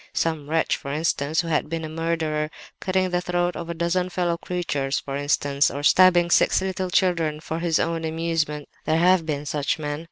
Some wretch, for instance, who had been a murderer—cutting the throat of a dozen fellow creatures, for instance; or stabbing six little children for his own amusement (there have been such men!)